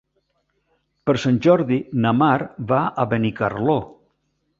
Per Sant Jordi na Mar va a Benicarló.